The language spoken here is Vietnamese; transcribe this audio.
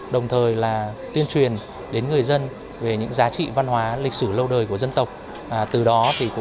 đồng thời là tuyên truyền đến người dân về những giá trị văn hóa lịch sử lâu đời của dân tộc